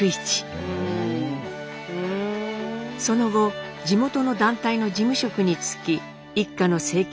その後地元の団体の事務職に就き一家の生計を立て直します。